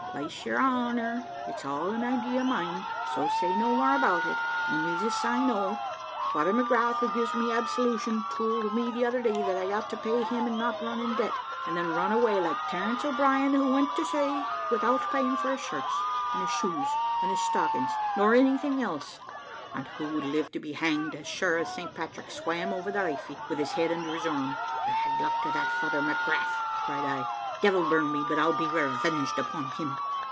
`Plase your honour, it's all an idea of mine so say no more about it. Only this I know; Father McGrath, who gives me absolution, tould me the other day that I ought to pay him and not run in debt, and then run away, like Terence O'Brien, who went to say without paying for his shirts, and his shoes, and his stockings, nor anything else, and who would live to be hanged, as sure as St. Patrick swam over the Liffey with his head under his arm.' `Bad luck to that Father McGrath,' cried I; `devil burn me, but I'll be revenged upon him!'